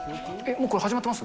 もうこれ、始まってます？